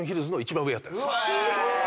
すごーい！